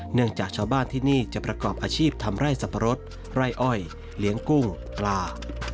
จากชาวบ้านที่นี่จะประกอบอาชีพทำไร่สับปะรดไร่อ้อยเลี้ยงกุ้งปลา